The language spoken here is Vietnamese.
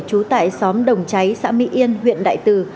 trú tại xóm đồng cháy xã mỹ yên huyện đại từ